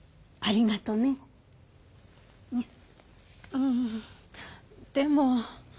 うんでも。